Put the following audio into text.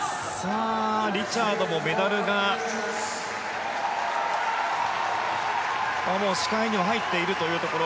リチャードもメダルが視界には入っているというところ。